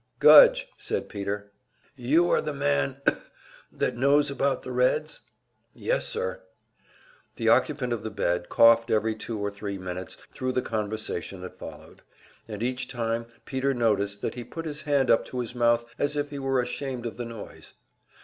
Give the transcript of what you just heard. "Gudge," said Peter. "You are the man that knows about the Reds?" "Yes, sir." The occupant of the bed coughed every two or three minutes thru the conversation that followed, and each time Peter noticed that he put his hand up to his mouth as if he were ashamed of the noise.